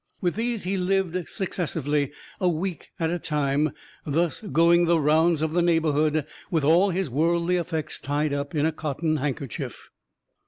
With these he lived successively a week at a time, thus going the rounds of the neighborhood with all his worldly effects tied up in a cotton handkerchief.